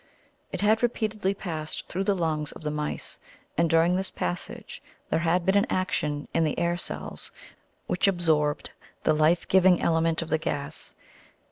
It had repeatedly passed through the lungs of the mice, and during this passage there had been an action in the air cells which absorbed the life giving element of the gas.